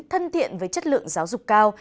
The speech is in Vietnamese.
thân thiện với chất lượng giáo dục cao